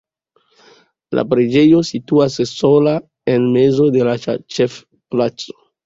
La preĝejo situas sola en mezo de la ĉefplaco.